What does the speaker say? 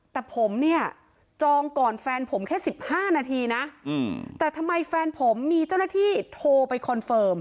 แต่ผมเนี่ยจองก่อนแฟนผมแค่๑๕นาทีนะแต่ทำไมแฟนผมมีเจ้าหน้าที่โทรไปคอนเฟิร์ม